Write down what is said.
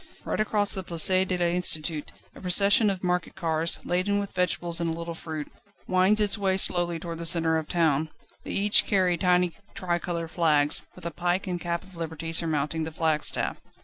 Right across the Place de l'Institut a procession of market carts, laden with vegetables and a little fruit, wends its way slowly towards the centre of the town. They each carry tiny tricolour flags, with a Pike and Cap of Liberty surmounting the flagstaff.